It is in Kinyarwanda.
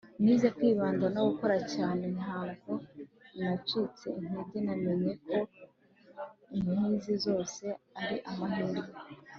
nize kwibanda no gukora cyane ntabwo nacitse intege. namenye ko inzitizi zose ari amahirwe